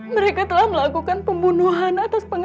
mereka telah melalui kegiatan